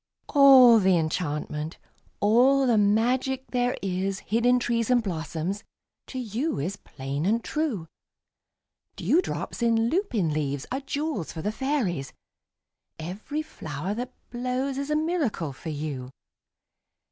All the enchantment, all the magic there is Hid in trees and blossoms, to you is plain and true. Dewdrops in lupin leaves are jewels for the fairies; Every flower that blows is a miracle for you.